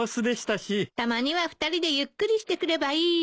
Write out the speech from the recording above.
たまには二人でゆっくりしてくればいいわ。